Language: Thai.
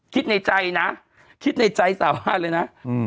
คิดในใจนะคิดในใจสาบานเลยนะ